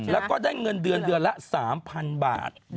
แล้วก็ได้เงินเดือนเดือนละ๓๐๐๐บาท